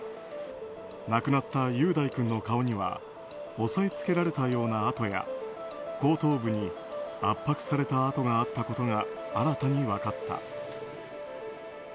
亡くなった雄大君の顔には押さえつけられたような痕や後頭部に圧迫された痕があったことが新たに分かった。